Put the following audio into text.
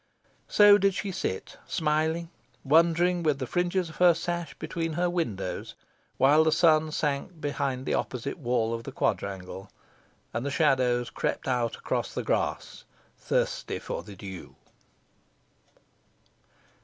So did she sit, smiling, wondering, with the fringes of her sash between her fingers, while the sun sank behind the opposite wall of the quadrangle, and the shadows crept out across the grass, thirsty for the dew.